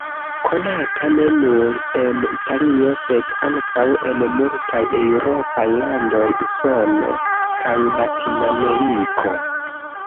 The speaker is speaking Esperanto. Konata ne nur en Italio sed ankaŭ en multaj eŭropaj landoj, Usono kaj Latinameriko.